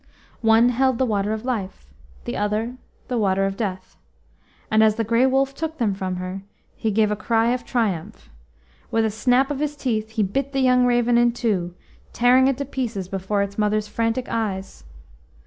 One held the Water of Life, the other the Water of Death, and as the Grey Wolf took them from her, he gave a cry of triumph. With a snap of his teeth, he bit the young raven in two, tearing it to pieces before its mother's frantic eyes.